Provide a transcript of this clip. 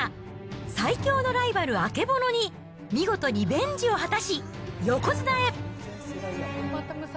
最強のライバル、曙に見事リベンジを果たし横綱へ！